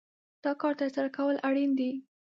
دا کار ترسره کول اړين دي.